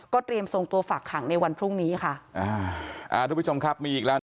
เตรียมส่งตัวฝากขังในวันพรุ่งนี้ค่ะอ่าอ่าทุกผู้ชมครับมีอีกแล้วนะ